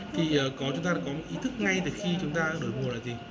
thì chúng ta đã có ý thức ngay từ khi chúng ta đổi mùa là gì